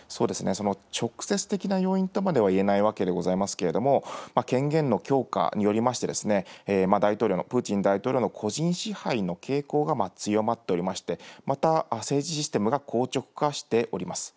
直接的な要因とまではいえないわけでございますけれども、権限の強化によりまして、大統領の、プーチン大統領の個人支配の傾向が強まっておりまして、また政治システムが硬直化しております。